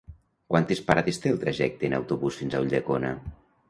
Quantes parades té el trajecte en autobús fins a Ulldecona?